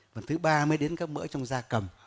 và thứ ba mới đến các bữa trong da cầm